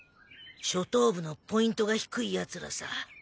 初等部のポイントが低いヤツらさ。